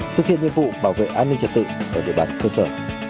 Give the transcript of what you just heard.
thực hiện nhiệm vụ bảo vệ an ninh trật tự ở địa bàn cơ sở